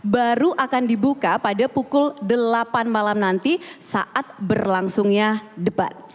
baru akan dibuka pada pukul delapan malam nanti saat berlangsungnya debat